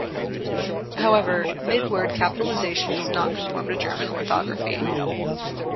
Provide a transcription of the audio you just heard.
However, mid-word capitalisation does not conform to German orthography.